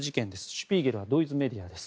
「シュピーゲル」はドイツメディアです。